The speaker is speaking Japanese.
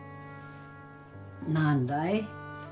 何だい？